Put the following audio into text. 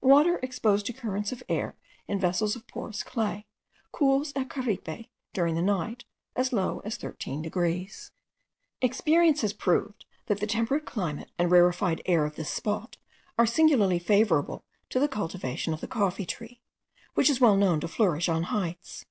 Water exposed to currents of air in vessels of porous clay, cools at Caripe, during the night, as low as 13 degrees. Experience has proved that the temperate climate and rarefied air of this spot are singularly favourable to the cultivation of the coffee tree, which is well known to flourish on heights.